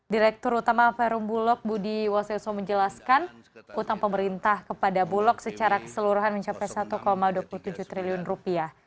direktur utama perum bulog budi waseso menjelaskan utang pemerintah kepada bulog secara keseluruhan mencapai satu dua puluh tujuh triliun rupiah